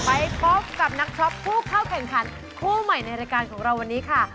ไปพบกับนักช็อปผู้เข้าแข่งขันคู่ใหม่ในรายการของเราวันนี้ค่ะ